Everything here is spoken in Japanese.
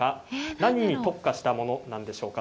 何に特化したものでしょうか。